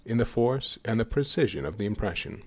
¢., in the force and the precision of the impression.